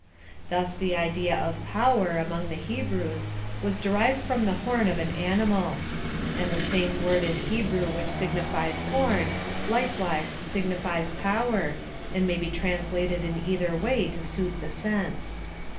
Thus the idea of power, among the Hebrews, was derived from the horn of an animal ; and the same word in Hebrew which signifies horn likewise signifies power, and may be translated in either way to suit PLAN OF SALVATION. 93 the sense.